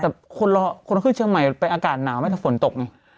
แต่คนต้องขึ้นเชียงใหม่เป็นอากาศหนาวไหมท่ะฝนตก